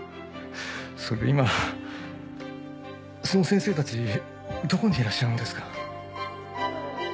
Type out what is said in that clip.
それで今その先生たちどこにいらっしゃるんですか？